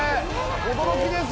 驚きです。